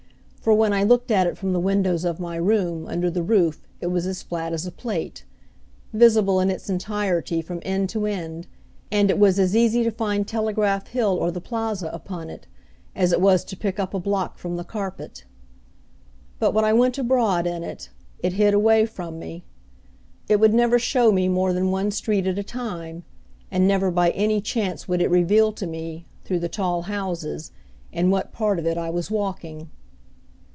For when I looked at it from the windows of my room under the roof it was as flat as a plate, visible in its entirety from end to end, and it was as easy to find Telegraph Hill or the Plaza upon it as it was to pick up a block from the carpet. But, when I went abroad in it, it hid away from me. It would never show me more than one street at a time, and never by any chance would it reveal to me, through the tall houses, in what part of it I was walking.